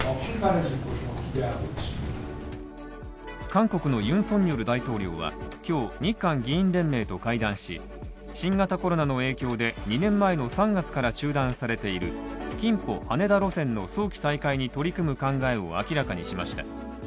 韓国のユン・ソンニョル大統領は今日、日韓議員連盟と会談し、新型コロナの影響で２年前の３月から中断されているキンポ−羽田路線の早期再開に取り組む考えを明らかにしました。